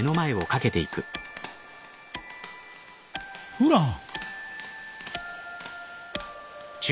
フラン？